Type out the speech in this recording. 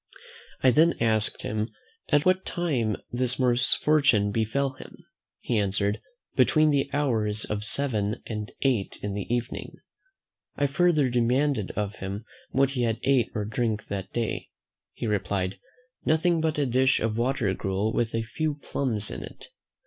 I then asked him, "at what time this misfortune befell him?" He answered, "Between the hours of seven and eight in the evening." I further demanded of him what he had ate or drank that day? He replied, "Nothing but a dish of water gruel with a few plums in it."